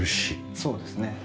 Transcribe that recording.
そうですね。